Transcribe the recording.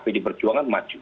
pilih perjuangan maju